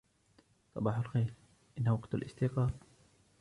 صباح الخير. إنهُ وقت الإستيقاظ.